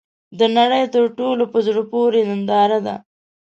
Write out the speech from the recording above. د نړۍ تر ټولو ، په زړه پورې ننداره ده .